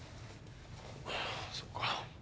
そっか。